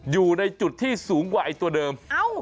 อยู่ในจุดที่สูงกว่าไอ้ตัวเดิม